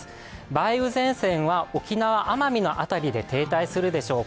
梅雨前線は沖縄・奄美の辺りで停滞するでしょうか。